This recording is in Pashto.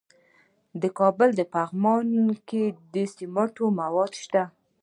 د کابل په پغمان کې د سمنټو مواد شته.